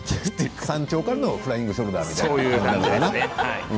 山頂からのフライングショルダーという感じね。